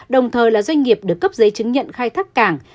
đồng thời là doanh nghiệp được cấp giấy chứng nhận khai thác cảng